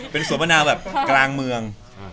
เป็นสวนมะนาวแบบกลางเมือง